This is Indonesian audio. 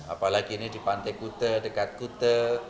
apalagi ini di pantai kute dekat kute